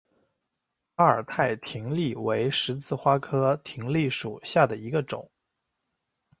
阿尔泰葶苈为十字花科葶苈属下的一个种。